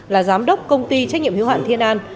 là giám đốc công ty trách nhiệm hiếu hạn thiên an